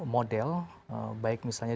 model baik misalnya